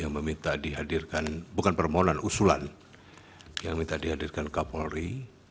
meminta dihadirkan bukan permohonan usulan yang minta dihadirkan kapolri